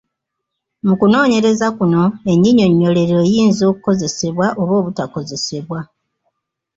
Mu kunooneyereza kuno ennyinyonnyolero eyinza okukozesebwa oba obutakozesebwa